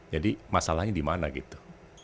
jadi masalahnya di mana gitu